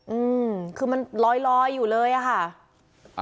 อืมคือมันร้อยอยู่เลยอะค่ะ